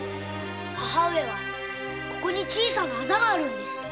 母上はここに小さなアザがあるんです。